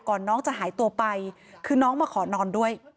น้องจะหายตัวไปคือน้องมาขอนอนด้วย